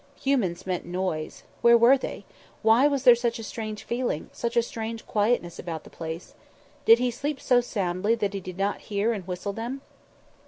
Humans meant noise. Where were they? Why was there such a strange feeling, such a strange quietness about the place? Did He sleep so soundly that He did not hear and whistle them?